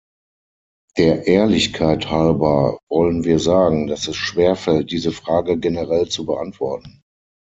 Der Ehrlichkeit halber wollen wir sagen, dass es schwerfällt, diese Frage generell zu beantworten.